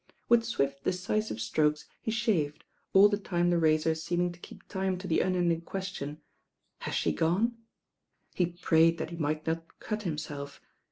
With swift decisive strokes he shaved, all the time the razor seeming to keep time to the unending question, "Has she gone?" He prayed that he might not cue himself.